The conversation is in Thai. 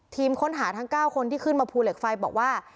ทีมค้นหาทั้ง๙คนที่ขึ้นมาภูเหล็กไฟบอกว่า